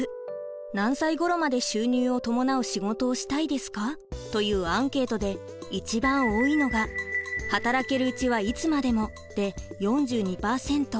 「何歳ごろまで収入を伴う仕事をしたいですか」というアンケートで一番多いのが「働けるうちはいつまでも」で４２％。